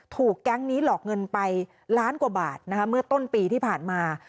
ถูกแก๊งนี้หลอกเงินไปล้านกว่าบาทนะคะเมื่อต้นปีที่ผ่านมา